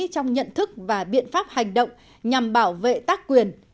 trong nhận thức và biện pháp hành động nhằm bảo vệ tác quyền